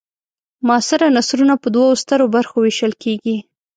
معاصر نثرونه په دوو سترو برخو وېشل کیږي.